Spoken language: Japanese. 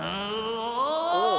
おお。